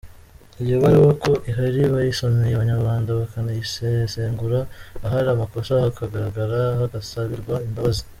Iyo baruwa ko ihari bayisomeye abanyarwanda bakanayisesengura, ahari amakosa hakagaragara, hagasabirwa imbabazi.